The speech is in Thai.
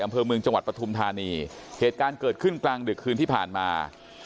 อำเภอเมืองจังหวัดปฐุมธานีเหตุการณ์เกิดขึ้นกลางดึกคืนที่ผ่านมา